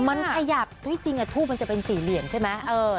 มันขยับจริงทูบมันจะเป็นสี่เหลี่ยมใช่ไหม